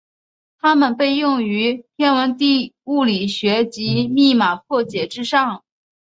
它们被用于天文物理学及密码破解之上。